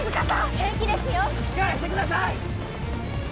平気ですよしっかりしてください！